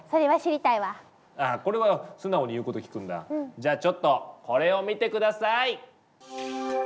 じゃちょっとこれを見て下さい！